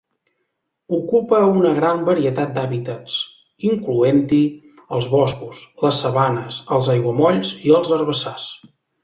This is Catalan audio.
Ocupa una gran varietat d'hàbitats, incloent-hi els boscos, les sabanes, els aiguamolls i els herbassars.